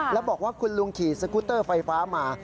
แล้วบอกว่าคุณลุงขี่สกุตเตอร์ไฟฟ้ามา